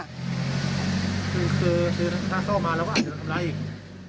คือเธอท่านโต้มาแล้วหรืออะไรอีก